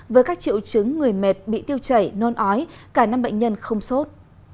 với các triệu chứng người mệt bị tiêu chảy nôn ói cả năm bệnh nhân không sốt